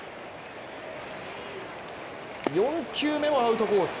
４球目もアウトコース